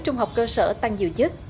trung học cơ sở tăng nhiều nhất